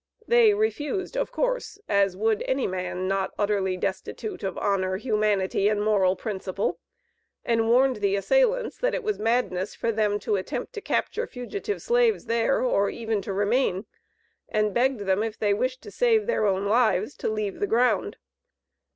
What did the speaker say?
They refused of course, as would any man not utterly destitute of honor, humanity, and moral principle, and warned the assailants that it was madness for them to attempt to capture fugitive slaves there, or even to remain, and begged them if they wished to save their own lives, to leave the ground.